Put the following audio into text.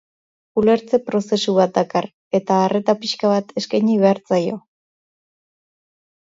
Ulertze prozesu bat dakar, eta arreta pixka bat eskaini behar zaio.